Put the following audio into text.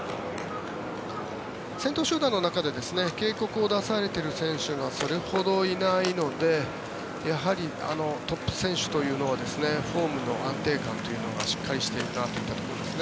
先頭集団の中で警告を出されている選手がそれほどいないのでやはりトップ選手というのはフォームの安定感というのがしっかりしているなといったところですね。